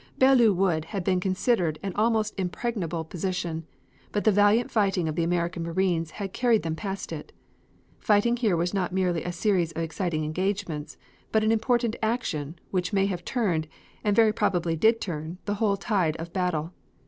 Belleau Wood had been considered an almost impregnable position, but the valiant fighting of the American Marines had carried them past it. Fighting here was not merely a series of exciting engagements, but an important action, which may have turned, and very probably did turn, the whole tide of battle.